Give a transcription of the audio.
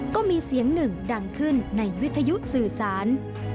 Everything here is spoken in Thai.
ก็มีเสียงหนึ่งดังขึ้นในวิทยุสื่อสาร